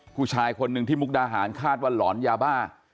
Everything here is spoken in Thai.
ผู้ชายคนหนึ่งที่มุกดาหารคาดว่าหลอนยาบ้า